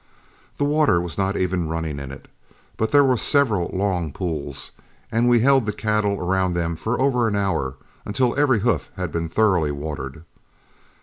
The water was not even running in it, but there were several long pools, and we held the cattle around them for over an hour, until every hoof had been thoroughly watered.